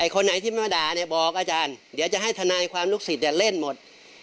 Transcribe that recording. คนไหนที่ไม่มาด่าเนี่ยบอกอาจารย์เดี๋ยวจะให้ทนายความลูกศิษย์เล่นหมด